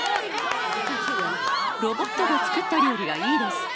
ロボットが作った料理がいいです。